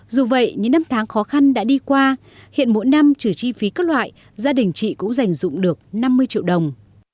dù vậy những năm tháng khó khăn đã đi qua hiện mỗi năm trừ chi phí các loại gia đình chị cũng giành dụng được năm mươi triệu đồng